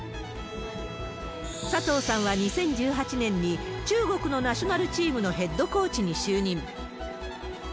佐藤さんは２０１８年に、中国のナショナルチームのヘッドコーチに就任。